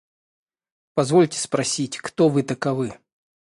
– Позвольте спросить, кто вы таковы?